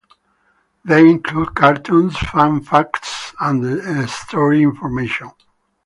They include cartoons, fun facts, and the story information.